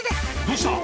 「どうした？